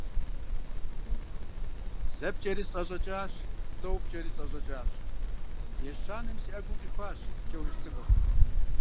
Зэ пкӀэри, сӀэщӀэкӀащ, тӀэу пкӀэри, сӀэщӀэкӀащ, ещанэм си Ӏэгум къихуащ пкӀауэжь цӀыкӀур.